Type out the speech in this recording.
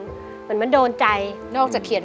แม่เมืองใครจะร้ายต่อ